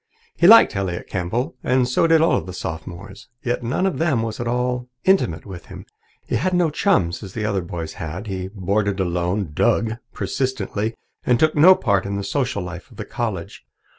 He liked Elliott Campbell, and so did all the Sophomores. Yet none of them was at all intimate with him. He had no chums, as the other boys had. He boarded alone, "dug" persistently, and took no part in the social life of the college.